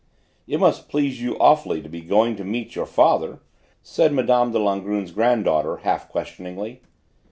"It must please you awfully to be going to meet your father," said Mme. de Langrune's granddaughter half questioningly.